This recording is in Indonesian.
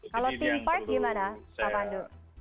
kalau theme park gimana pak pandu